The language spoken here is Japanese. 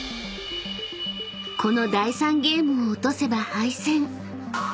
［この第３ゲームを落とせば敗戦］